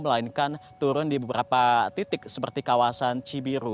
melainkan turun di beberapa titik seperti kawasan cibiru